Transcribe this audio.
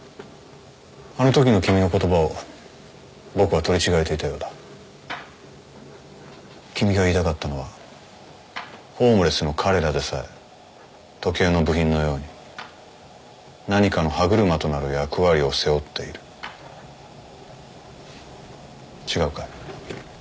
あの時の君の言葉を僕は取り違えていたようだ君が言いたかったのはホームレスの彼らでさえ時計の部品のように何かの歯車となる役割を背負っている違うか？